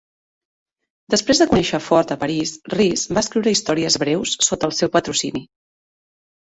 Després de conèixer Ford a París, Rhys va escriure històries breus sota el seu patrocini.